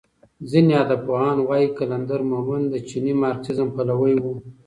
ځینې ادبپوهان وايي قلندر مومند د چیني مارکسیزم پلوی و.